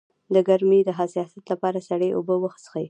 د ګرمۍ د حساسیت لپاره سړې اوبه وڅښئ